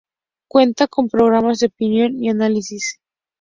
Cuenta con programas de opinión y análisis.